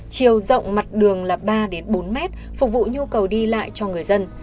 chiều rộng mặt đường là ba bốn mét phục vụ nhu cầu đi lại cho người dân